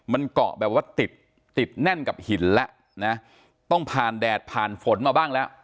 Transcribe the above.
มันเกาะแบบว่าติดติดแน่นกับหินแล้วนะต้องผ่านแดดผ่านฝนมาบ้างแล้ว